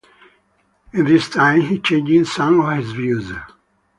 In this time he changed some of his views.